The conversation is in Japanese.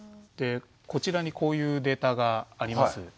でこちらにこういうデータがあります。